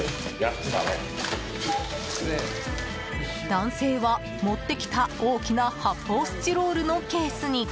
男性は、持ってきた大きな発泡スチロールのケースに。